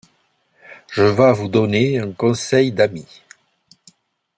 Je vas vous donner un conseil d’ami.